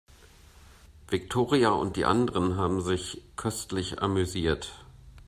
Viktoria und die anderen haben sich köstlich amüsiert.